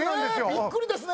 えびっくりですね！